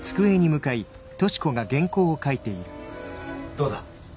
どうだ？